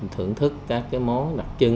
thưởng thức các món đặc trưng